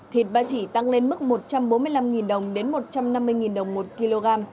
thịt ba chỉ tăng lên mức một trăm bốn mươi năm đồng đến một trăm năm mươi đồng một kg